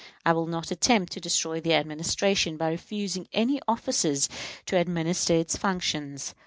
I will not attempt to destroy the Administration by refusing any officers to administer its functions.